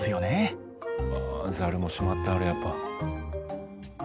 あザルもしまってあるやっぱ。